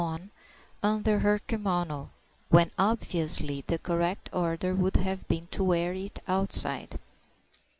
on under her kimono, when obviously the correct order would have been to wear it outside.